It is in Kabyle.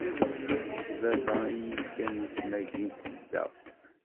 D baba iyi-ifkan isem-agi n Tasedda.